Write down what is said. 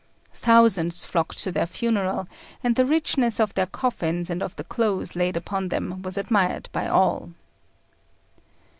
Thousands flocked to their funeral, and the richness of their coffins and of the clothes laid upon them was admired by all.